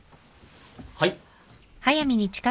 はい。